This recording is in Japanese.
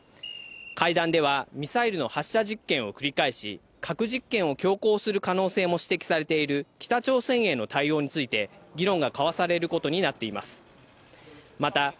会談では、ミサイルの発射実験を繰り返し、核実験を強行する可能性も指摘されている北朝鮮への対応について議論が交わされることになっています。